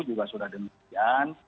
juga sudah demikian